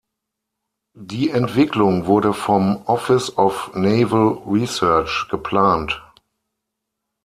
Die Entwicklung wurde vom Office of Naval Research geplant.